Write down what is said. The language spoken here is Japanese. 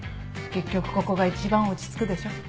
結局ここが一番落ち着くでしょ。